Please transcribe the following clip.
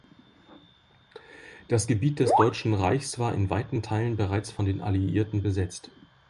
Das Gebiet des Deutschen Reichs war in weiten Teilen bereits von den Alliierten besetzt.